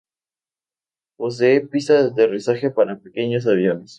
Posee pista de aterrizaje para pequeños aviones.